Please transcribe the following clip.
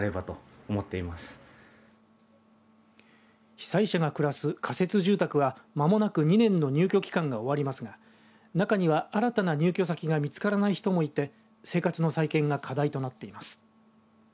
被災者が暮らす仮設住宅は間もなく２年の入居期間が終わりますが中には新たな入居先が見つからない人もいて生活の再建が課題となっています。